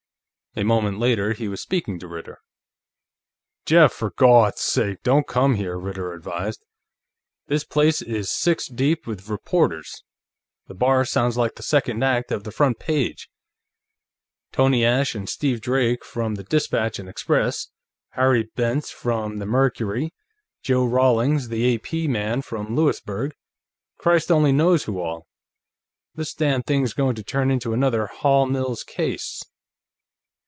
A moment later he was speaking to Ritter. "Jeff, for Gawdsake, don't come here," Ritter advised. "This place is six deep with reporters; the bar sounds like the second act of The Front Page. Tony Ashe and Steve Drake from the Dispatch and Express; Harry Bentz, from the Mercury; Joe Rawlings, the AP man from Louisburg; Christ only knows who all. This damn thing's going to turn into another Hall Mills case!